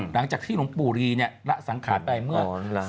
หลังจากที่หลวงปู่รีละสังขารไปเมื่อ